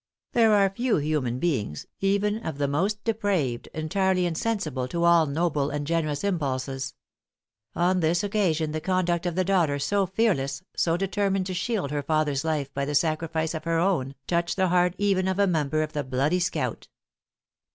There are few human beings, even of the most depraved, entirely insensible to all noble and generous impulses. On this occasion the conduct of the daughter, so fearless, so determined to shield her father's life by the sacrifice of her own, touched the heart even of a member of the "Bloody Scout."